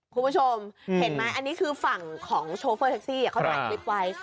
คุณผู้ชมเห็นไหมอันนี้คือฝั่งของโชเฟอร์แท็กซี่เขาถ่ายคลิปไว้